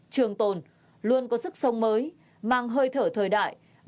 trường tồn luôn có sức sống mới mang hơi thở thời đại